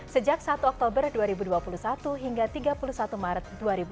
sejak satu oktober dua ribu dua puluh satu hingga tiga puluh satu maret dua ribu dua puluh